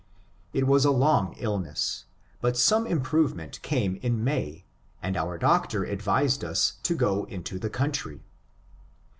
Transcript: It was a long illness, but some improvement came in May, and our doctor advised us to go into the country.